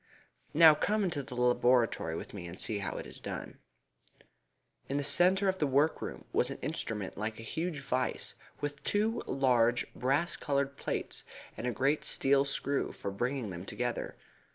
Now come into the laboratory with me and see how it is done." In the centre of the workroom was an instrument like a huge vice, with two large brass coloured plates, and a great steel screw for bringing them together.